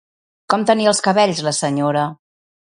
Com tenia els cabells la senyora?